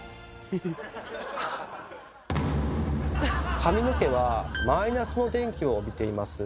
髪の毛はマイナスの電気を帯びています。